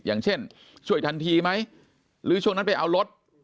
อย่างเช่นช่วยทันทีไหมหรือช่วงนั้นไปเอารถ